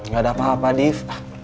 gak ada apa apa diev